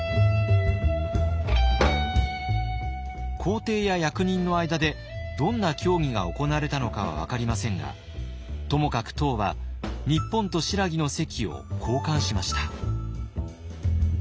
皇帝や役人の間でどんな協議が行われたのかは分かりませんがともかく唐は日本と新羅の席を交換しました。